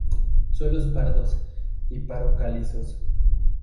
Suelos pardos y paro-calizos.